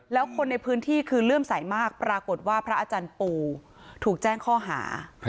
แล้วคนในพื้นที่คือเลื่อมใสมากปรากฏว่าพระอาจารย์ปูถูกแจ้งข้อหา